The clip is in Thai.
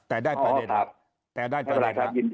แต่ได้ไปเลยนะแต่ได้ไปเลยนะ